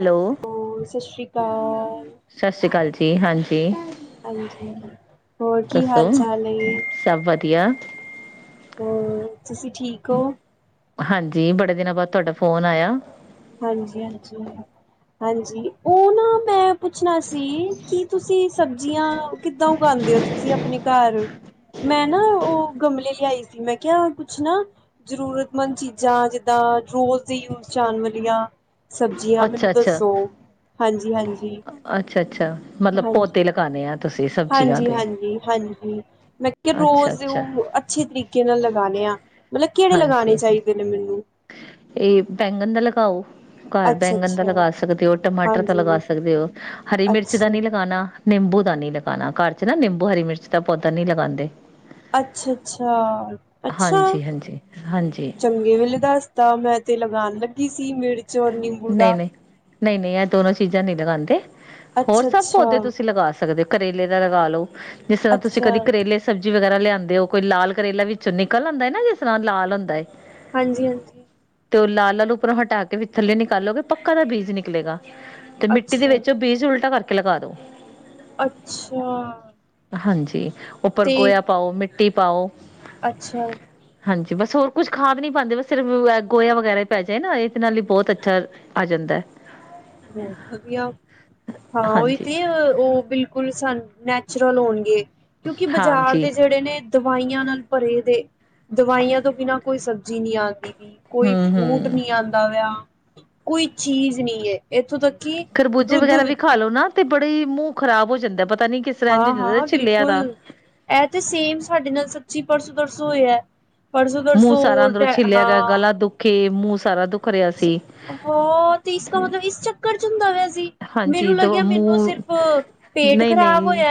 Hello, ਹੋਰ ਸਤਿ ਸ਼੍ਰੀ ਅਕਾਲ ਸਤਿ ਸ੍ਰੀ ਕਾਲ ਜੀ। ਹਾਂਜੀ, ਹਾਂਜੀ ਹੋਰ ਕੀ ਹਾਲ ਦੱਸੋ, ਚਾਲ ਸਭ ਵਧੀਆ? ਹੂੰ। ਤੁਸੀਂ ਠੀਕ ਔ? ਬਾਦ ਤੁਹਾਡਾ ਫੋਨ ਆਯਾ। ਹਾਂਜੀ, ਹਾਂਜੀ, ਹਾਂਜੀ। ਉਹ ਨਾ, ਮੈਂ ਪੁੱਛਣਾ ਸੀ ਕਿ ਤੁਸੀਂ ਸਬਜ਼ੀਆਂ ਕਿੱਦਾਂ ਉਗਾਉਂਦੇ ਹੋ, ਤੁਸੀਂ ਆਪਣੇ ਘਰ? ਮੈਂ ਨਾ ਉਹ ਗਮਲੇ ਲਿਆਈ ਸੀ। ਮੈਂ ਕਿਹਾ, ਕੁਛ ਨਾ ਜ਼ਰੂਰਤਮੰਦ ਚੀਜ਼ਾਂ, ਜਿੱਦਾਂ ਰੋਜ਼ ਦੇ ਯੂਜ ਆਨ ਦਿਆਂ ਸਬਜ਼ੀਆਂ ਮੈਨੂੰ ਅੱਛਾ-ਅੱਛਾ, ਦੱਸੋ? ਹਾਂਜੀ, ਹਾਂਜੀ। ਅੱਛਾ-ਅੱਛਾ, ਮਤਲਬ ਹਾਂਜੀ, ਪੌਦੇ ਲਗਾਣੇ ਆ ਤੁਸੀਂ ਸਬਜ਼ੀਆਂ ਹਾਂਜੀ, ਦੇ। ਹਾਂਜੀ, ਹਾਂਜੀ। ਮੈਂ ਕਿਹਾ ਰੋਜ਼ ਅੱਛਾ-ਅੱਛਾ, ਉਹ ਅੱਛੇ ਤਰੀਕੇ ਨਾਲ ਲਗਾਣੇ ਆ। ਮਤਲਵ, ਕਿਹੜੇ ਲਗਾਣੇ ਹਾਂਜੀ। ਚਾਹੀਦੇ ਨੇ ਮੈਨੂੰ? ਇਹ ਬੈਂਗਣ ਦਾ ਲਗਾਓ। ਘਰ ਬੈਂਗਣ ਦਾ ਅੱਛਾ-ਅੱਛਾ, ਲਗਾ ਸਕਦੇ ਔ, ਟਮਾਟਰ ਦਾ ਲਗਾ ਹਾਂਜੀ, ਸਕਦੇ ਔ। ਹਰੀ ਮਿਰਚ ਦਾ ਅੱਛਾ। ਨੀ ਲਗਾਣਾ। ਨਿੰਬੂ ਦਾ ਨੀ ਲਗਾਣਾ ਘਰ ਚ, ਨਾ ਨਿੰਬੂ ਹਰੀ ਮਿਰਚ ਦਾ ਪੌਦਾ ਨੀ ਲਗਾਂਦੇ। ਅੱਛਾ, ਅੱਛਾ, ਅੱਛਾ। ਹਾਂਜੀ-ਹਾਂਜੀ, ਹਾਂਜੀ। ਹਾਂਜੀ ਚੰਗੇ ਵੇਲੇ ਦੱਸ ਤਾਂ ਮੈਂ ਤੇ ਲਗਾਣ ਲੱਗੀ ਸੀ ਮੇਰੇ ਨਹੀਂ, ਨਹੀਂ, ਨਹੀਂ, ਨਹੀਂ। ਇਹ ਦੋਨੋ ਚੀਜ਼ਾਂ ਨਹੀਂ ਲਗਾਂਦੇ। ਹੋਰ ਸਭ ਅੱਛਾ-ਅੱਛਾ, ਪੌਦੇ ਤੁਸੀਂ ਲਗਾ ਸਕਦੇ ਓ। ਕਰੇਲੇ ਦਾ ਲਗਾ ਲਓ। ਜਿਸ ਤਰ੍ਹਾਂ ਤੁਸੀਂ ਅੱਛਾ ਕਦੀ ਕਰੇਲੇ ਸਬਜ਼ੀ ਵਗੈਰਾ ਲਿਆਂਦੇ ਓ। ਕੋਈ ਲਾਲ ਕਰੇਲਾ ਵਿੱਚੋਂ ਨਿਕਲ ਆਂਦਾ ਹੈ ਨਾ, ਜਿਸ ਤਰ੍ਹਾਂ ਲਾਲ ਹੁੰਦਾ ਏ ਹਾਂਜੀ, ਹਾਂਜੀ। ਤੇ ਉਹ ਲਾਲ ਲਾਲ ਉਪਰੋਂ ਹਟਾ ਕ ਵੀ ਥੱਲੇ ਨਿਕਾਲੋਗੇ ਪੱਕਾ ਦਾ ਬੀਜ ਨਿਕਲੇਗਾ। ਤੇ ਮਿੱਟੀ ਦੇ ਅੱਛਾ, ਵਿੱਚ ਉਹ ਬੀਜ ਉਲਟਾ ਕਰ ਲਗਾ ਦਉ। ਅੱਛਾ। ਹਾਂਜੀ। ਉੱਪਰ ਤੇ ਗੋਇਆ ਪਾਓ ਮਿੱ ਟੀ ਪਾਓ। ਅੱਛਾ। ਹਾਂਜੀ, ਬਸ ਹੋਰ ਕੁਛ ਖਾਦ ਨੀ ਪਾਂਦੇ। ਬਸ ਸਿਰਫ ਗੋਇਆ ਵਗੈਰਾ ਹੀ ਪੈ ਜਾਏ ਨਾ ਇਹ ਤੇ ਨਾਲੇ ਬਹੁਤ ਅੱਛਾ ਆ ਜਾਂਦਾ। ਬਹੁਤ ਵਧੀਆ। ਹਾਂ ਉਹੀ ਹਾਂਜੀ ਤੇ, ਉਹ ਬਿਲਕੁਲ ਸਾਨ ਨੈਚੁਰਲ ਹੋਣਗੇ। ਕਿਉਂਕਿ ਬਾਜ਼ਾਰ ਹਾਂਜੀ ਦੇ ਜਿਹੜੇ ਨੇ ਦ ਕੋਈ ਸਬਜ਼ੀ ਨੀ ਆਂਦੀ। ਕੋਈ ਹੂੰ ਫਰੂਟ ਹੂੰ ਨੀ ਆਂਦਾ ਵਿਆ। ਕੋਈ ਚੀਜ਼ ਨੀ ਏ। ਇੱਥੋਂ ਤੱਕ ਕਿ ਖਰਬੂਜੇ ਦੁੱਧ ਵਗੈਰਾ ਵੀ ਖਾ ਲੋੋ ਨਾ ਤੇ ਬੜਾ ਹੀ ਮੂੰਹ ਖਰਾਬ ਹੋ ਜਾਂਦਾ। ਪਤ ਹਾਂ-ਹਾਂ। ਬਿਲਕੁਲ, ਇਹ ਤੇ ਸੇਮ ਸਾਡੇ ਨਾਲ ਸੱਚੀ ਪਰਸ ਪਰਸੋਂ ਹੋਇਆ। ਪਰਸੋਂ ਮੂੰਹ ਤਰਸੋਂ ਸਾਰਾ ਅੰਦਰੋਂ ਛਿੱਲਿਆ ਗਿਆ। ਹਾਂ ਗਲਾ ਦੁਖੇ, ਮੂੰਹ ਸਾਰਾ ਦੁਖ ਰਿਹਾ ਸੀ। ਹਾਂ ਤੇ ਇਸਦਾ ਮਤਲਬ [unintelligible] ਸੀ, ਹਾਂਜੀ ਮੈਨੂੰ ਦੋ ਲੱਗਿਆ ਮੈਨੂੰ ਮੂੰਹ ਸਿਰਫ਼ ਪੇਟ ਖਰਾਬ ਨਈ-ਨਈ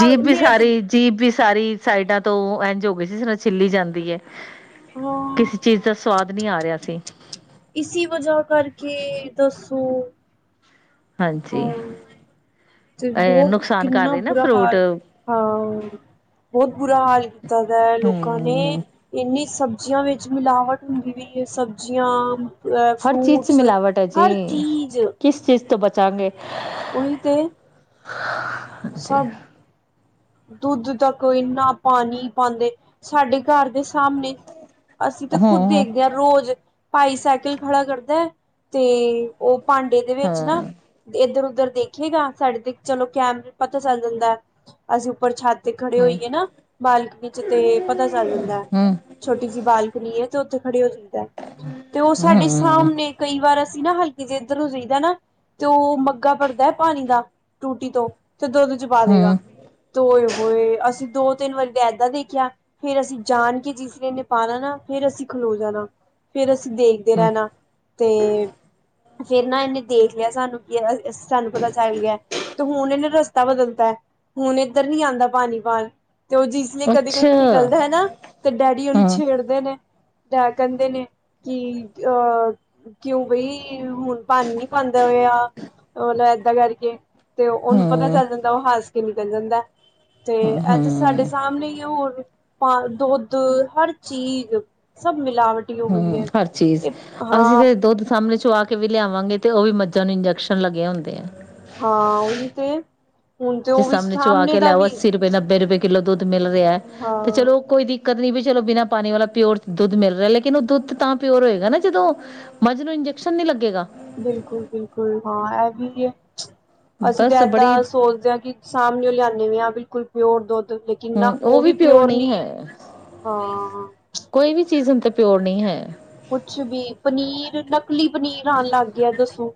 ਜੀਭ ਵੀ ਸਾਰੀ, ਜੀਭ ਵੀ ਸਾਰੀ ਸਾਈਡਾਂ ਤੋਂ ਇੰਝ ਹੋ ਗਈ ਸੀ, ਜਿਸ ਤਰ੍ਹਾਂ ਛਿੱਲੀ ਜਾਂਦੀ ਹੈ। ਹਾਂ ਕਿਸੇ ਚੀਜ਼ ਦਾ ਸਵਾਦ ਨੀ ਆ ਰਿਹਾ ਸੀ। ਇਸੀ ਵਜ੍ਹਾ ਕਰਕੇ ਦੱਸੋ। ਹਾਂਜੀ ਹਾਂ ਤੇ ਅ ਬਹੁਤ ਨੁਕਸਾਨ ਕਰ ਕਿੰਨਾ ਰਹੇ ਨਾ ਬੁਰਾ ਫਰੂਟ ਹਾਲ। ਹਾਂ, ਬਹੁਤ ਬੁਰਾ ਹਾਲ। ਤਾ ਦਾ ਏ ਲੋਕਾਂ ਨੇ ਹੂੰ ਇੰਨੀ ਸ ਸਬਜ਼ੀਆਂ ਵਿੱਚ ਮਿਲਾਵਟ ਹੁੰਦੀ ਵੀਈ ਹੈ। ਸਬਜ਼ੀਆਂ ਹਰ ਚੀਜ਼ ਚ ਫਰੂਟਸ ਮਿਲਾਵਟ ਹੈ ਜੀ। ਹਰ ਚੀਜ਼ ਕਿਸ ਚੀਜ਼ ਤੋਂ ਬਚ ਚਾਂਗੇ ਉਹੀ ਤੇ, ਸਭ ਦੁੱਧ ਤੱਕ ਇੰਨਾ ਪਾਣੀ ਪਾਉਂਦੇ। ਸਾਡੇ ਘਰ ਦੇ ਸਾਹਮਣੇ ਅਸੀਂ ਤੇ ਖੁੱਦ ਹੂੰ-ਹੂੰ ਦੇਖਦੇ ਹਾਂ, ਰੋਜ਼। ਭਾਈ ਸਾਈਕਲ ਖੜਾ ਕਰਦਾ ਤੇ ਉਹ ਭਾਂਡੇ ਦੇ ਵਿੱਚ ਹਾਂ ਨਾ ਇੱਧਰੋਂ ਉਧੱਰ ਦੇਖੇਗਾ। ਸਾਡੇ ਤੇ ਚਲੋ ਕੈਮਰੇ, ਪਤਾ ਚੱਲ ਜਾਂਦਾ। ਅਸੀਂ ਉਪਰ ਛੱਤ ਤੇ ਖੜੇ ਹੋਈਏ ਹੂੰ-ਹੂੰ ਨਾ, ਬਾਲਕਨੀ ਚ ਤੇ ਪਤਾ ਚੱਲ ਜਾਂਦਾ ਹੈ। ਛੋਟੀ ਜਿਹੀ ਬਾਲਕਨੀ ਹੈ। [unintelligible] ਖੜੇ ਹੋ ਜਈਦਾ ਤੇ ਉਹ ਹੂੰ ਸਾਡੇ ਹੂੰ ਸਾਹਮਣੇ ਕਈ ਵਾਰ ਸੀ ਨਾ ਹਲਕੇ ਜੇ ਇੱਧਰ ਨੂੰ ਰਹੀਦਾ ਨਾ ਤੇ ਉਹ ਮੱਗਾ ਭਰਦਾ ਹੈ ਪਾਣੀ ਦਾ, ਟੂਟੀ ਤੋਂ। ਤੇ ਦੁੱਧ ਚ ਪਾ ਦੇਗਾ। ਹੂੰ ਹੋਏ ਹੋਏ ਅਸੀਂ ਦੋ ਤਿੰਨ ਵਾਰੀ ਦਾ ਏਦਾਂ ਦੇਖਿਆ ਫੇਰ ਅਸੀਂ ਜਾਣ ਕੇ ਜਿਸ ਦਿਨ ਪਾਣਾ ਨਾ ਫੇਰ ਅਸੀਂ ਖਲੋ ਜਾਣਾ ਫੇਰ ਅਸੀਂ ਤੁਸੀਂ ਦੇਖਦੇ ਰਹਿਣਾ ਤੇ ਫੇਰ ਨਾ ਇਹਨੇ ਦੇਖ ਲਿਆ ਸਾਨੂੰ ਕਿ ਸਾਨੂੰ ਪਤਾ ਚੱਲ ਗਿਆ ਤੇ ਹੁਣ ਇਹਨੇ ਰਸਤਾ ਬਦਲਤਾ ਹੁਣ ਇਹ ਉੱਧਰ ਨਹੀਂ ਆਉਂਦਾ ਪਾਣੀ ਭਾਲ ਤੇ ਉਹ ਜਿਸਨ ਕਦੇ ਅੱਛਾ ਕਦੇ ਨਿਕਲਦਾ ਹੈ ਨਾ ਤੇ ਡੈਡੀ ਉਹਨੂੰ ਹੂੰ ਛੇੜਦੇ ਨੇ ਡੈਡ ਕਹਿੰਦੇ ਨੇ ਕਿ ਅਹ ਕਿਉਂ ਬਈ ਹੁਣ ਪਾਣੀ ਨੀ ਪਾਉਂਦਾ ਹੋਇਆ ਮਤਲਬ ਏਦਾਂ ਕਰਕੇ ਤੇ ਉਹਨੂੰ ਪਤਾ ਹੂੰ ਚੱਲ ਜਾਂਦਾ ਉਹ ਹੱਸ ਕਿ ਨਿਕਲ ਜਾਂਦਾ ਤੇ ਅੱਜ ਸਾਡੇ ਹੂੰ ਸਾਹਮਣੇ ਹੀ ਹੋਰ ਵੀ ਪਾ ਦੁੱਧ ਹਰ ਚੀਜ਼ ਸਭ ਮਿਲਾਵਟੀ ਹੋ ਗਈ ਹਮ ਹੈ। ਹਰ ਚੀਜ਼ ਇਹ ਅਸੀਂ ਹਾਂ ਤੇ ਦੁੱਧ ਸਾਹਮਣੇ ਚਵਾ ਕੇ ਵੀ ਲਿਆਵਾਂਗੇ ਤੇ ਉਹ ਵੀ ਮੱਝਾਂ ਨੂੰ ਇੰਜੈਕਸ਼ਨ ਲੱਗੇ ਹੁੰਦੇ ਆ ਹਾਂ ਉਹੀ ਤੇ ਹੁਣ ਤੇ ਜ ਸ ਉਹ ਵੀ ਸਮਮਣੇ ਚਚ ਆ ਸਾਹਮਣੇ ਕੇ ਦਾ ਲਿਆਓ ਵੀ ਅੱਸੀ ਨੱਬੇ ਰੁਪਏ ਦਾ ਕਿੱਲੋ ਦੁੱਧ ਮਿਲ ਰਿਹਾ ਤੇ ਹਾਂ ਚਲੋ ਕੋਈ ਕਰਨੀ ਵੀ ਚਲੋ ਬਿਨਾਂ ਪਾਣੀ ਵਾਲਾ ਪਿਓਰ ਦੁੱਧ ਮਿਲ ਰਿਹਾ ਲੇਕਿਨ ਉਹ ਦੁੱਧ ਤਾਂ ਪਿਓਰ ਹੋਏਗਾ ਨਾ ਜਦੋਂ ਮੱਝ ਨੂੰ ਇੰਜੈਕਸ਼ਨ ਨਹੀਂ ਲੱਗੇਗਾ ਬਿਲਕੁਲ ਬਿਲਕੁਲ ਹਾਂ ਇਹ ਵੀ ਹੈ ਅਸੀਂ ਤਾਂ ਬਸ ਬੜੀ ਏਦਾਂ ਸੋਚਦੇ ਹਾਂ ਕਿ ਸਾਹਮਣੇ ਲਿਆਦੇ ਵੀ ਹਾਂ ਬਿਲਕੁਲ ਪਿਓਰ ਦੁਧ ਹਮ ਉਹ ਵੀ ਪਿਓਰ ਨਹੀਂ ਹੈ ਹਾਂ ਕੋਈ ਵੀ ਚੀਜ਼ ਹ ਤੇ ਪਿਓਰ ਨਹੀਂ ਹੈ ਕੁਛ ਵੀ ਪਨੀਰ ਨਕਲੀ ਪਨੀਰ ਬਣਾਉਣ ਲੱਗ ਗਿਆ ਦੱਸੋ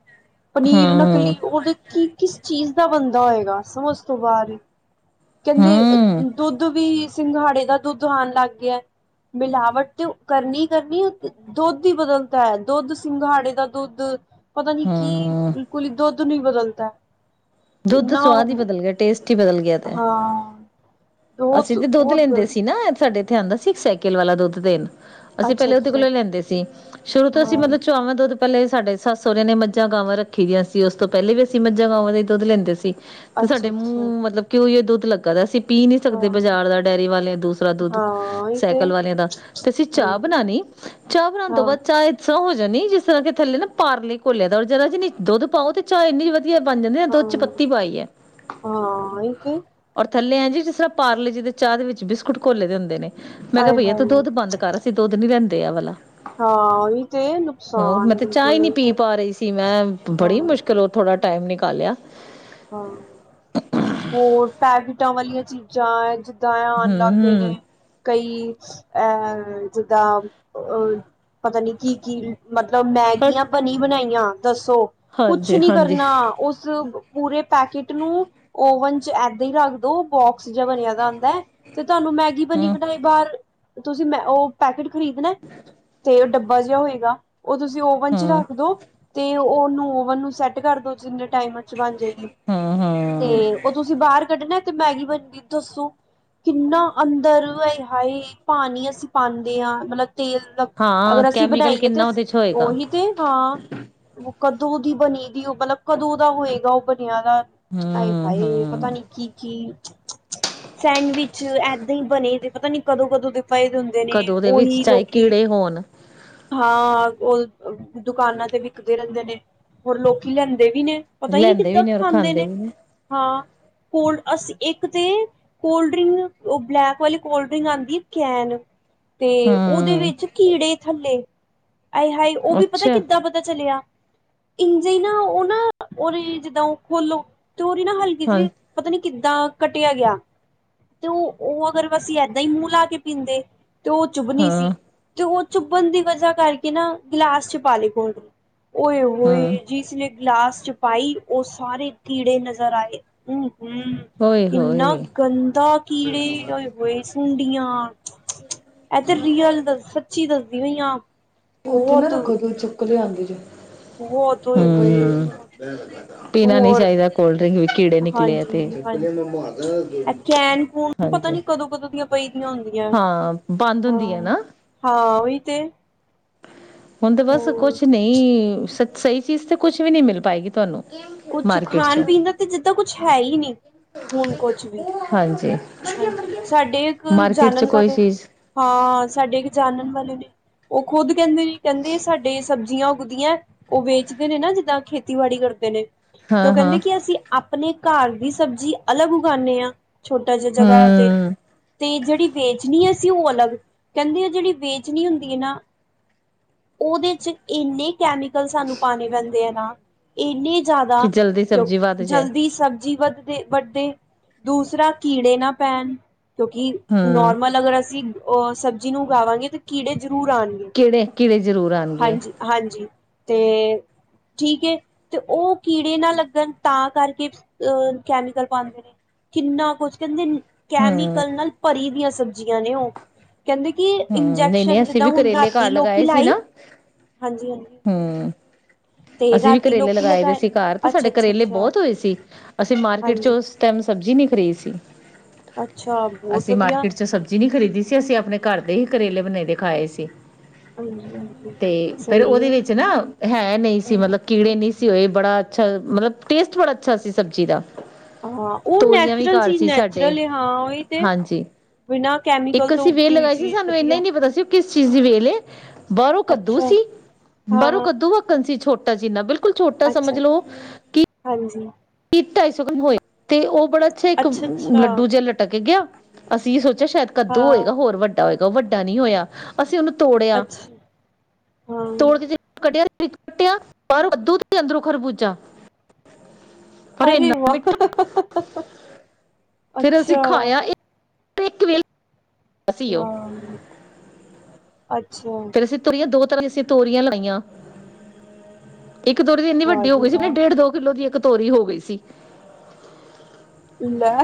ਪਨੀਰ ਹੂੰ ਨਕਲੀ ਉਹਦੇ ਕੀ ਕਿਸ ਚੀਜ਼ ਦਾ ਬੰਦਾ ਹੋਏਗਾ ਸਮਝ ਤੋਂ ਬਾਾਹਰ ਹੈ। ਕਹਿੰਦੇ ਹੂੰ ਦੁੱਧ ਵੀ ਸਿੰਘਾੜੇ ਦਾ ਦੁੱਧ ਆਉਣ ਲੱਗ ਗਿਆ ਮਿਲਾਵਟ ਤੇ ਕਰਨੀ ਹੀ ਕਰਨੀ ਦੁੱਧ ਹੀ ਬਦਲਦਾ ਹੈ ਦੁੱਧ ਸਿੰਘਾੜੇ ਦਾ ਦੁੱਧ ਪਤਾ ਨੀ ਹਾਂ ਕੀ ਕੁਲੀ ਦੁੱਧ ਦੁੱਧ ਵੀਬਦਲਦਾ ਦੁੱਧ ਸੁਵਾਦ ਹੀ ਬਦਲ ਗਿਆ ਟੇਸਟ ਹੀ ਬਦਲ ਗਿਆ। ਤਾਂ ਹਾਂ ਅਸੀਂ ਬਹੁਤ ਤੇ ਦੁੱਧ ਬਹੁਤ ਗ ਲੈਂਦੇ ਸੀ ਨਾ ਸਾਡੇ ਇਥੇ ਆਉਂਦਾ ਸੀ ਸਾਈਕਲ ਵਾਲਾ ਦੁੱਧ ਦੇਣ ਅਸੀਂ ਅੱਛਾ ਪਹਿਲਾਂ ਉਹਦੇ ਅੱਛਾ ਕੋਲੋਂ ਲੈਂਦੇ ਸੀ। ਸ਼ੁਰੂ ਤੋਂ ਅਸੀਂ ਹਾਂ ਮਤਲਬ ਚੁਅਵਾ ਪਹਿਲੇ ਸਾਡੇ ਸੱਸ ਸਹੁਰਰੇ ਨੇ ਮੱਝਾਂ ਗਾਵਾਂ ਰੱਖੀ ਦੀਆਂ ਸੀ। ਉਸ ਤੋਂ ਪਹਿਲੇ ਵੀ ਅਸੀਂ ਮੱਝਾਂ ਗਾਵਾਂ ਦਾ ਦੁੱਧ ਲੈਂਦੇ ਸੀ। ਤੇ ਅੱਛਾ ਸਾਡੇ ਅੱਛਾ ਮੂੰਹ ਮਤਲਬ ਕਿ ਉਹੀ ਦੁੱਧ ਲੱਗਾ ਸੀ। ਪੀ ਸਕਦੇ ਹਾਂ ਬਾਜ਼ਾਰ ਦਾ ਡੇਅਰੀ ਵਾਲਿਆਂ ਦੂਸਰਾ ਦੁੱਧ ਹਾਂ ਇਹ ਤੇ ਸਾਈਕਲ ਵਾਲਿਆਂ ਦਾ। ਤੇ ਅਸੀਂ ਹਾਂਜੀ ਚਾਹ ਬਣਾਉਣੀ ਚਾਹ ਬਣਾਉਣ ਤੋਂ ਹਾਂ ਬਾਅਦ ਚਾਹ ਇਹ ਹੋ ਜਿਸ ਤਰ੍ਹਾਂ ਕਿ ਥੱਲੇ ਨਾ ਪਾਰਲੇ ਘੋਲਿਆ ਦ ਉਰ ਜ਼ਦਾ ਜਨੀ ਦੁੱਧ ਪਾਓ ਤੇ ਚਾਹ ਇੰਨੀ ਵਧੀ ਵਧੀਆ ਬਣ ਜਾਂਦੀ ਨਾ ਦੁੱਧ ਚ ਹਾਂ ਪੱਤੀ ਪਾਈ ਹੈ। ਹਾਂ ਇਹ ਤੇ ਔਰ ਥੱਲੇ ਅਹਿੰਗ ਜਿਸ ਤਰਹ ਪਾਰਲੇ ਜਿਹਦੇ ਚਾਹ ਦੇ ਵਿੱਚ ਬਿਸਕੁਟ ਘੋਲੇ ਦੇ ਹੁੰਦੇ ਨੇ। ਮੈਂ ਕਿਹਾ ਆਏ ਭਈਆ ਤੂੰ ਹਾਏ ਦੁੱਧ ਬੰਦ ਕਰ ਅਸੀ ਦੁੱਧ ਨੀ ਰਹਿੰਦੇ। ਦੇਿਆ ਵਲਾਾ। ਹਾਂ ਇਹ ਤੇ ਹੋ ਨੁਕਸਾਨ ਮੈਂ ਤੇ ਚਾਹ ਹੀ ਬਿਲਕੁਲ ਨਹੀਂ ਇਹ ਪੀ ਤੇ ਪਾ ਰਹੀ ਸੀ ਮੈਂ ਹਾਂ ਬੜੀ ਮੁਸ਼ਕਿਲ ਉਹ ਥੋੜਾ। ਟਾਈਮ ਨਿਕਾਲਿਆ। ਹਾਂ ਹੋਰ ਪੈਕਤਾ ਵਾਲੀਆਂ ਚੀਜ਼ਾਂ। ਜ ਦ ਆਉਣ ਹੂੰ ਲੱਗ ਗਏ ਨੇ ਹੂੰ ਕਈ ਅਹ ਜਿੱਦਾਂ ਅਹ ਪਤਾ ਨੀ ਕੀ-ਕੀ। ਮਤਲਬ ਮੈਗੀਆਂ ਭਣੀ ਬਣਾਈਆਂ। ਦੱਸੋ ਕੁਛ ਨੀ ਹਾਂਜੀ-ਹਾਂਜੀ ਕਰਨਾ। ਉਸ ਪੂਰੇ। ਪੈਕੇਟ ਨੂੰ ਓਵਨ ਚ ਏਦਾਂ ਹੀ ਰੱਖਦੋ ਬੋਕ ਆਕਸੀਜਨ ਬਣਿਆਦਾ ਹੁੰਦਾ ਹੈ ਤੇ ਤੁਹਾਨੂੰ ਮੈਗੀ ਬਣੀ ਹੂੰ ਬਣਾਈ ਬਾਹਰ ਤੁਸੀਂ ਮੈਂ ਉਹ ਪੈਕਟ ਖ਼ਰੀਦਣਾ। ਤੇ ਉਹ ਡੱਬੇ ਵਧਹਾ ਹੋਏਗਾ। ਉਹ ਤੁਸੀਂ ਓਵਨ ਚ ਹੂੰ ਰੱਖਦੋ। ਤੇ ਉਹਨੂੰ ਓਵਨ ਨੂੰ ਸੈਟ ਕਰ ਦੋ। ਜਿੰਨੇ ਟਾਈਮ ਬਣ ਜਾਏਗੀ ਹੂੰ ਤੇ ਹੂੰ ਉਹ ਤੁਸੀਂ ਬਾਹਰ ਕੱਢਣਾ। ਤੇ ਮੈਗੀ ਬਣ ਗਈ ਦੱਸੋ ਕਿੰਨਾ ਅੰਦਰ ਇਹ ਹਾਏ ਪਾਣੀ ਅਸੀਂ ਪਾਉਂਦੇ ਹਾਂ। ਮਤਲਬ। ਤੇਲ ਹਾਂ ਅਗਰ ਅਸੀਂ ਕੈਮੀਕਲ ਬਣਾਈਏ ਤੇ ਕਿੰਨਾ ਉਹਦੇ ਚ ਹੋਏਗਾ। ਓਹੀ ਤੇ ਹਾਂ। ਕਦੋਂ ਦੀ ਬਣੀ ਦੀ ਉਹ ਮਤਲਬ ਕਦੋਂ ਦਾ ਹੋਏਗਾ। ਓਵੇਂ [unintelligible] ਜਾਦਾ ਹੂੰ ਹਾਏ-ਹਾਏ ਪਤਾ ਹੂੰ ਨੀ ਕੀ-ਕੀ। ਸੈਂਡਵਿਚ ਏਦਾਂ ਹੀ ਬਣੇ ਤੇ ਪਤਾ ਨੀ ਕਦੋਂ-ਕਦੋਂ ਦੇ। ਫਾਇਦ ਹੁੰਦੇ ਨੇ ਕਦੋਂ ਦੇ ਵਿੱਚ ਉਹੀ ਚਾਹੇ ਲੋਕੀ ਕੀੜੇ ਹੋਣ ਹਾਂ ਉਹ ਦੁਕਾਨਾਂ ਤੇ ਵਿਕਦੇ ਰਹਿੰਦੇ ਨੇ ਹੋਰ ਲੋਕੀ ਲੈਂਦੇ ਵੀ ਨੇ ਪਤਾ ਹੀ ਨਹੀਂ ਲੈਂਦੇ ਵੀ ਕਿੱਦਾਂ ਨੇ ਔਰ ਖਾਂਦੇ ਨੇ ਵੀ ਹਾਂ ਕੋਲ ਅਸੀਂ ਇੱਕ ਤੇ ਕੋਲ ਡਰਿੰਕ ਬਲੈਕ ਵਾਲੀ ਕੋਲਡ ਡਰਿੰਕ ਆਉਂਦੀ ਕੈਨ ਤੇ ਉਹਦੇ ਹੂੰ ਵਿੱਚ ਕੀੜੇ ਥੱਲੇ ਆਏ ਹਾਏ ਉਹ ਵੀ ਪਤਾ ਅੱਛਾ ਕਿੱਦਾਂ ਪਤਾ ਚਲਿਆ ਇੰਝੇ ਨਾ ਉਹ ਨਾ ਉਰੇ ਜਿੱਦਾਂ ਖੋਲੋ ਤੇ ਓਦੀ ਨਾ ਹਲਕੀ ਹਾਂ ਸੀ ਪਤਾ ਨੀ ਕਿੱਦਾਂ ਕੱਟਿਆ ਗਿਆ ਤੇ ਉਹ ਉਹ ਅਗਰ ਵਸੀ ਏਦਾਂ ਹੀ ਮੂੰਹ ਲਾ ਕੇ ਪੀਂਦੇ ਤੇ ਉਹ ਚੁੱਭਣੀ ਸੀ ਹਾਂ ਤੇ ਉਹ ਚੁੱਭਣ ਦੀ ਵਜ੍ਹਾ ਕਰਕੇ ਨਾ ਗਿਲਾਸ ਚ ਪਾ ਲਈ ਕੋਲਡ ਓਏ ਹਾਂ ਹੋਏ ਜਿਸ ਨੇ ਗਲਾਸ ਚ ਪਾਈ ਉਹ ਸਾਰੇ ਕੀੜੇ ਨਜ਼ਰ ਆਏ ਹ ਹਮ ਓਏ ਇੰਨਾ ਹੋਏ ਗੰਦਾ ਕੀੜੇ ਓਏ ਹੋਏ ਸੀ ਹੁੰਡੀਆਂ। ਇਹ ਤੇ, ਰੀਅਲ ਦੱਸ ਸੱਚੀ ਦੱਸ। ਕਿਵੇਂ ਆ। ਉੱਥੇ ਨਾ ਬਹੁਤ ਰੱਖੋ ਦੁੱਧ ਚ। [unintelligible] ਲ ਆਉਂਦੀ ਜੇ ਬਹੁਤ ਹੋਏ ਪਏ ਹੂੰ, ਬ ਪੀਣਾ ਨੀ ਹੋਰ ਚਾਹੀਦਾ ਕੋਲਡ ਡਰਿੰਕ ਵੀ ਕੀੜੇ ਨਿਕਲੇ ਆ ਤੇ। ਹਾਂਜੀ- ਹਾਂਜੀ, ਏ ਕਹਿਣ- ਕੂਣ ਪਤਾ ਹਾਂਜੀ, ਨੀ ਕਦੋਂ ਕਦੋਂ ਦੀ ਪਈਆਂ ਹੁੰਦੀਆਂ ਹਾਂ ਬੰਦ ਹੁੰਦੀ ਹੈ ਹਾਂ, ਨਾ। ਹਾਂ ਉਹੀ। ਤੇ। ਹੁਣ ਤੇ ਬਸ ਹੋਰ ਕੁਛ ਨਹੀਂ- ਸਹੀ ਚੀਜ਼ ਤੇ ਕੁਛ ਵੀ ਨਹੀਂ ਮਿਲ ਪਾਏਗੀ ਤੁਹਾਨੂੰ। ਕੁਛ ਮਾਰਕੀਟ ਖਾਣ- ਚੋਂ ਪੀਣ ਦਾ ਤਾਂ ਜਿੱਦਾਂ ਕੁਛ ਹੈ ਹੀ ਨਹੀਂ। ਹੁਣ ਕੁਛ ਵੀ, ਹਾਂਜੀ, ਹਾਂਜੀ, ਸਾਡੇ ਇੱਕ ਮਾਰਕੀਟ ਚ ਜਾਨਣ ਕੋਈ ਵਾਲੇ ਨੇ ਚੀਜ਼ ਹਾਂ ਸਾਡੇ ਇੱਕ ਜਾਨਣ ਵਾਲੇ ਨੇ। ਉਹ ਖੁੱਦ ਕਹਿੰਦੇ, ਕਹਿੰਦੇ ਸਾਡੇ ਸਬਜ਼ੀਆਂ ਉੱਗਦੀਆਂ ਉਹ ਵੇਚਦੇ ਨੇ ਨਾ ਜਿੱਦਾਂ ਖੇਤੀਬਾੜੀ ਕਰਦੇ ਨੇ। ਤੇ ਉਹ ਹਾਂ-ਹਾਂ, ਕਹਿੰਦੇ ਕਿ ਅਸੀਂ ਆਪਣੇ- ਘਰ ਦੀ ਸਬਜ਼ੀ ਅਲੱਗ ਉਗਾਉਂਦੇ ਆ। ਛੋਟਾ ਜੇ ਜਗਾ ਤੇ, ਹੂੰ ਤੇ ਜਿਹੜੀ ਵੇਚਣੀ ਹੈ। ਉਹ ਅਲੱਗ, ਕਹਿੰਦੇ ਆ ਜਿਹੜੀ ਵੇਚਣੀ ਹੁੰਦੀ ਹੈ ਨਾ, ਉਹਦੇ ਚ ਇੰਨੇ ਕੈਮੀਕਲ ਸਾਨੂੰ ਪਾਉਣੇ ਪੈਂਦੇ ਆ ਨਾ ਇੰਨੇ- ਜ਼ਿਆਦਾ ਕਿ ਜਲਦੀ ਕਿਉਂ, ਸਬਜ਼ੀ ਵੱਧ ਜਾਏ ਜਲਦੀ ਸਬਜ਼ੀ ਵੱਧ- ਦੇ ਵੱਡੇ, ਦੂਸਰਾ ਕੀੜੇ ਨਾ ਪੈਣ। ਕਿਉਂਕਿ ਹੂੰ। ਨੋਰਮਲ ਅਗਰ ਅਸੀਂ- ਔ ਸਬਜ਼ੀ ਨੂੰ ਉਗਾਵਾਂਗੇ ਤੇ ਕੀੜੇ- ਜ਼ਰੂਰ ਆਣਗੇ ਕਿਹੜੇ- ਕਿਹੜੇ ਜ਼ਰੂਰ ਆਉਣਗੇ। ਹਾਂਜੀ ਹਾਂਜੀ ਤੇ, ਠੀਕ ਏ, ਤੇ ਉਹ ਕੀੜੇ ਨਾ ਲੱਗਣ ਤਾਂ ਕਰਕੇ ਅ ਕੈਮੀਕਲ ਪਾਉਂਦੇ ਨੇ, ਕਿੰਨਾ ਕੁਛ ਕਹਿੰਦੇ ਹੂੰ-ਹੂੰ, ਕੈਮੀਕਲ ਨਾਲ ਭਰੀ ਦੀਆਂ ਸਬਜ਼ੀਆਂ ਨੇ ਉਹ। ਕਹਿੰਦੇ ਕਿ ਇੰਜੈਕਸ਼ਨ ਨਹੀਂ-ਨਹੀਂ ਅਸੀਂ ਜਿਦਾਂ ਵੀ ਹੁਣ ਕਰੇਲੇ ਰਾਤੀ ਘਰ ਲੋਕੀ ਲਗਾਏ ਸੀ ਲਾਈ। ਨਾ ਹਾਂਜੀ- ਹਾਂਜੀ, ਹੂੰ। ਤੇ ਅਸੀਂ ਵੀ ਰਾਤੀ ਕਰੇਲੇ ਲੋਕੀ ਦੇ ਲਗਾਏ। ਸੀ ਘਰ ਤੇ ਅੱਛਾ ਸਾਡੇ ਅੱਛਾ ਕਰੇਲੇ ਅੱਛਾ ਬਹੁਤ ਹੋਏ ਸੀ। ਅਸੀਂ ਮਾਰਕੀਟ ਚ ਹਾਂਜੀ ਉਸ ਟਾਈਮ ਸਬਜ਼ੀ ਨਹੀਂ ਖਰੀਦੀ ਸੀ। ਅੱਛਾ ਬਹੁਤ ਅਸੀਂ ਵਧੀਆ ਮਾਰਕੀਟ ਚ ਸਬਜ਼ੀ ਨਹੀਂ ਖਰੀਦੀ ਅਸੀਂ ਆਪਣੇ ਕਰਦੇ ਹੀ ਕਰੇਲੇ ਬਣਾਈਦੇ ਖਾਏ ਸੀ। ਹਾਂਜੀ ਹਾਂਜੀ ਤੇ ਫੇਰ ਸਹੀ ਉਹਦੇ ਹੈ ਵਿੱਚ ਨਾ, ਹੈ ਨਹੀਂ ਸੀ। ਮਤਲਬ ਹਮ ਕੀੜੇ ਨਹੀਂ ਸੀ ਹੋਏ ਬੜਾ ਅੱਛਾ, ਮਤਲਬ ਟੇਸਟ ਬੜਾ ਅੱਛਾ ਸੀ ਸਬਜ਼ੀ ਦਾ। ਹਾਂ ਉਹ ਤੋਰੀਆਂ ਵੀ ਨੈਚੁਰਲ ਘਰ ਚੀਜ਼ ਸੀ ਸਾਡੇ ਨੈਚੁਰਲ ਹਾਂ, ਉਹੀ ਤੇ ਹਾਂਜੀ। ਬਿਨਾਂ ਕੈਮੀਕਲ ਇੱਕ ਤੋਂ ਅਸੀਂ ਵੇਲ ਉੱਗੀ ਹੋਈ ਲਗਾਈ ਸੀ। ਸਾਨੂੰ ਇੰਨਾ ਨੀ ਪਤਾ ਸੀ ਕਿਸ ਚੀਜ਼ ਵੇਲੇ ਬਰੋਂ ਕੱਦੂ ਅੱਛਾ ਸੀ ਬਰੋਂ ਹਾਂ ਕੱਦੂ ਆ ਕਣਸੀ ਛੋਟਾ ਤਾਜੀ ਨਾ ਬਿਲ ਬਿਲਕੁਲ ਛੋਟਾ ਅੱਛਾ ਸਮਝ ਲੋ ਕਿ ਹਾਂਜੀ ਢਾਈ ਸੌ ਗ੍ਰਾਮ ਹੋਏ ਤੇ ਉਹ ਬੜਾ ਅੱਛਾ ਇੱਕ ਲੱਡੂ ਜਿਹਾ ਲਟਕ ਗਿਆ। ਅਸੀਂ ਸੋਚ ਚਿਆ ਸ਼ਾਇਦ ਕੱਦੂ ਹਾਂ ਹੋਏਗਾ ਹੋਰ ਵੱਡਾ ਹੋਏਗਾ। ਉਹ ਵੱਡਾ ਨਹੀਂ ਹੋਇਆ, ਅਸੀਂ ਉਹਨੂੰ ਤੋੜਿਆ ਅੱਛਾ ਹਾਂ ਤੋੜ ਕੇ ਜੇ ਕੱਢਿਆ ਕੱਟਿਆ ਪਰ ਕੱਦੂ ਦੇ ਅੰਦਰੋਂ ਖਰਬੂਜਾ। ਪਰ ਅਰੇ ਇੰਨਾ ਵਾਹ! ਮਿੱਠਾ ਅੱਛਾ। ਪਰ ਇਕ ਵੇਲ ਸੀ ਉਹ ਹਾਂ ਅੱਛ। ਫਿਰ ਅਸੀਂ ਤੋਰੀਏ ਦੋ ਕੱਲ ਅਸੀਂ ਤੋਰੀਆਂ ਲਾਈਆ। ਇੱਕ ਤੋਰੀ ਤਾਂ ਇੰਨੀ ਵਾਹ ਵੱਡੀ ਹੋ ਜੀ ਗਈ ਸੀ, ਵਾਹ ਡੇਢ ਦੋ ਕਿੱਲੋ ਦੀ ਇੱਕ ਤੋਰੀ ਹੋ ਗਈ ਸੀ। ਲੈ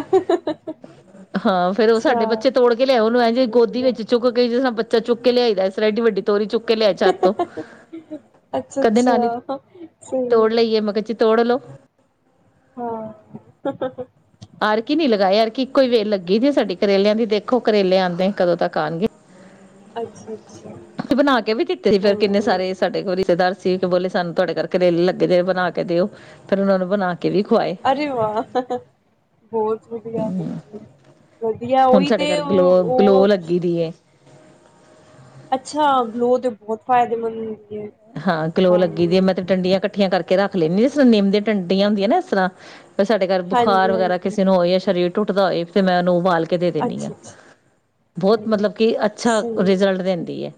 ਹਾਂ ਫੇਰ ਉਹ ਅੱਛਾ ਸਾਡੇ ਬੱਚੇ ਤੋੜ ਕੇ ਲਿਆਓ ਨੂੰ ਐਵੇ ਜਿਵੇ ਗੋਦੀ ਵਧੀਆ। ਵਿੱਚ ਚੁੱਕ ਕੇ ਜੇ ਚਾ ਚੁੱਕ ਲਿਆਈ ਦਾ ਸੀ। ਏਡੀ ਵੱਡੀ ਤੋਰੀ ਚੁੱਕ ਕੇ ਲਿਆ ਛੱਤ ਤੋਂ ਕਦੇ ਨਾਨੀ ਅੱਛਾ-ਅੱਛਾ ਸਹੀ ਤੋੜ ਲਈਏ ਮੈਂ ਕਿਹਾ ਚਿੱ ਤੋੜਲੋ। ਹਾਂ। ਆਰ ਕੇ ਨੀ ਲਗਾਏ ਆਰ ਕੇ ਇੱਕੋ ਹੀ ਵੇਰ ਲੱਗੀ ਦੀ ਸਾਡੀ ਕਰੇਲਿਆਂ ਦੀ ਦੇਖੋ ਕਰੇਲੇ ਆਂਦੇ ਕਦੋਂ ਤੱਕ ਆਣਗੇ। ਅੱਛਾ, ਤੇ ਬਣਾ ਕੇ ਵੀ ਦਿੱਤੇ ਸੀ, ਫੇਰ ਕਿੰਨੇ ਸਾਰੇ ਸਾਡੇ ਕੋਲ ਰਿਸ਼ਤੇਦਾਰ ਸੀ ਕਿ ਬੋਲੇ ਸਾਨੂੰ ਤੁਹਾਡੇ ਘਰ ਕਰੇਲੇ ਲੱਗੇ ਜੇ ਬਣਾ ਕੇ ਦਿਓ, ਫਿਰ ਉਹਨਾ ਨੂੰ ਬਣਾ ਕੇ ਵੀ ਖਵਾਏ ਅਰੇ ਵਾਹ! ਬਹੁਤ ਵਧੀਆ। ਵਧੀਆ ਹੁਣ ਉਹੀ ਸਾਡੇ ਤੇ ਘਰ ਗਲੋ ਉਹ -ਗਲੋ ਲੱਗੀ ਦੀ ਏ। ਅੱਛਾ ਗਲੋ ਦੇ ਬਹੁਤ ਫਾਇਦੇਮੰਦ ਹੈ ਹਾਂ ਗਲੋ ਲੱਗੀ ਦੀ ਹੈ ਹਾਂ ਮੈਂ ਤੇ ਡੰਡੀਆਂ ਇਕੱਠੀਆਂ ਕਰਕੇ ਰੱਖ ਲੈਂਦੀ ਜਿਸ ਤਰ੍ਹਾਂ ਨਿੰਮ ਦੀਆਂ ਟੰਡੀਆਂ ਹੁੰਦੀਆਂ ਨਾ ਇਸ ਤਰ੍ਹਾਂ ਸਾਡੇ ਘਰ ਬੁਖਾਰ ਵਗੈਰਾ ਹਾਂਜੀ-ਹਾਂਜੀ ਕਿਸੇ ਨੂੰ ਹੋਏ ਹੈ ਸਰੀਰ ਟੁੱਟਦਾ ਹੋਏ ਤੇ ਮੈਂਨੂੰ ਉਬਾਲ ਕੇ ਦੇ ਦਿੰਦੀ ਆ ਅੱਛਾ-ਅੱਛਾ ਬਹੁਤ ਮਤਲਬ ਕਿ ਅੱਛਾ ਰਿਜ਼ਲਟ ਦਿੰਦੀ ਹੈ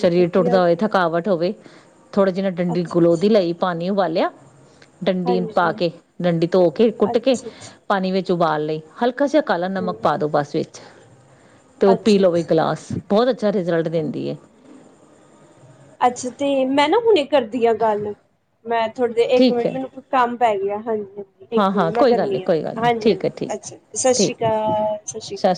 ਸਰੀਰ ਟੁੱਟਦਾ ਹੋਏ ਜੀਆਂ ਥਕਾਵਟ ਹੋਵੇ ਥੋੜਾ ਜਿਹੇ ਡੰਡੀ ਗਲੋ ਅੱਛਾ-ਅੱਛਾ ਦੀ ਲਈ ਪਾਣੀ ਏਨੂੰ ਉਬਾਲਿਆ ਡੰਡੀ ਪਾ ਹਾਂਜੀ ਕੇ ਡੰਡੀ ਧੋ ਕੇ ਕੁੱਟ ਕੇ ਅੱਛਾ-ਅੱਛਾ ਪਾਣੀ ਵਿੱਚ ਉਬਾਲ ਲਈ ਹਲਕਾ ਜਾ ਕਾਲਾ ਨਮਕ ਪਾ ਦੋ ਬਸ ਵਿੱਚ ਤੇ ਉਹ ਪੀ ਲਵੇ ਅੱਛਾ-ਅੱਛਾ ਗਲਾਸ ਬਹੁਤ ਅੱਛਾ ਰਿਜ਼ਲਟ ਦਿੰਦੀ ਹੈ। ਅੱਛਾ ਤੇ ਮੈਂ ਨਾ ਹੁਣੇ ਕਰਦੀ ਆ ਗੱਲ। ਮੈਂ ਥੋੜੇ ਜ ਇੱਕ ਠੀਕ ਮਿੰਟ ਹੈ ਮੈਨੂੰ ਕੋਈ ਕੰਮ ਪੈ ਗਿਆ ਹਾਂਜੀ। ਇੱਕ ਹਾਂ ਹਾਂ ਮਿੰਟ ਮੈਂ ਕੋਈ ਗੱਲ ਨਹੀਂ ਕਰਨੀ ਕੋਈ ਗੱਲ ਹਾਂਜੀ ਨਹੀਂ ਹਾਂਜੀ ਠੀਕ ਹੈ ਠੀਕ ਅੱਛਾ ਸਤਿ ਸ਼੍ਰੀ ਠੀਕ ਅਕਾਲ ਸਤਿ ਸ਼੍ਰੀ ਅਕਾਲ